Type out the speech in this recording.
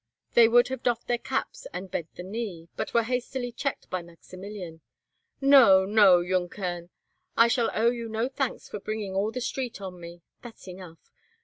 They would have doffed their caps and bent the knee, but were hastily checked by Maximilian. "No, no, Junkern, I shall owe you no thanks for bringing all the street on me!—that's enough.